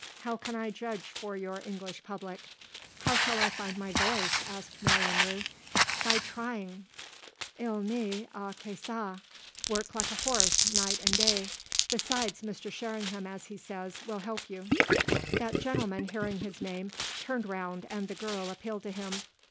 How can I judge for your English public?" "How shall I find my voice?" asked Miriam Rooth. "By trying. Il n'y a que ça. Work like a horse, night and day. Besides, Mr. Sherringham, as he says, will help you." That gentleman, hearing his name, turned round and the girl appealed to him.